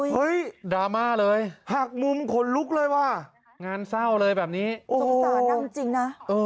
ดราม่าเลยหักมุมขนลุกเลยว่ะงานเศร้าเลยแบบนี้โอ้สงสารนางจริงนะ